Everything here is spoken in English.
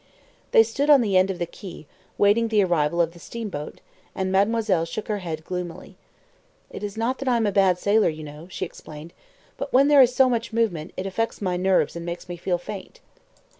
They stood on the end of the quay, waiting the arrival of the steamboat, and mademoiselle shook her head gloomily. "It is not that I am a bad sailor, you know," she explained; "but, when there is much movement, it affects my nerves and makes me feel faint."